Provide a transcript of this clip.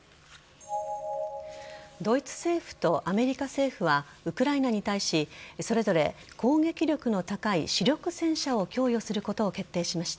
ドイツ政府とアメリカ政府はウクライナに対しそれぞれ攻撃力の高い主力戦車を供与することを決定しました。